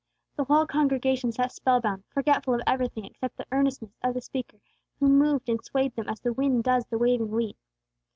The whole congregation sat spell bound, forgetful of everything except the earnestness of the speaker who moved and swayed them as the wind does the waving wheat.